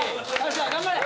頑張れ！